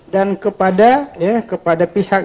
dan kepada pihak